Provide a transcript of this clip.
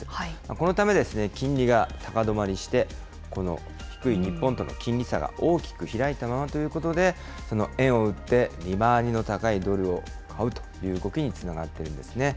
このため、金利が高止まりして、この低い日本との金利差が大きく開いたままということで、円を売って利回りの高いドルを買うという動きにつながっているんですね。